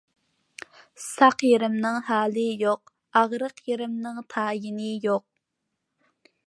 ساق يېرىمنىڭ ھالى يوق، ئاغرىق يېرىمنىڭ تايىنى يوق.